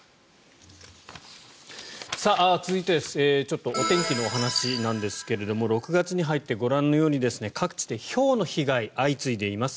続いてお天気のお話なんですが６月に入ってご覧のように各地でひょうの被害が相次いでいます。